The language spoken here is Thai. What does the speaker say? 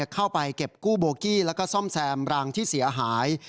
เข้าไปเก็บกู้โบกี้แล้วก็ซ่อมแซมรางที่เสียหาย